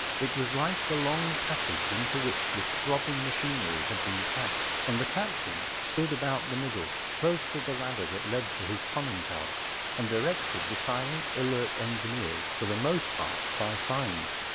It was like a long passage into which this throbbing machinery had been packed, and the captain stood about the middle, close to the ladder that led to his conning tower, and directed the silent, alert Vol. xxvi.— 96. engineers—for the most part by signs.